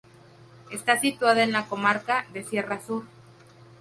Está situada en la comarca de Sierra Sur.